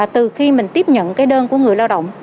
từ khi mình tiếp nhận cái đơn của người lao động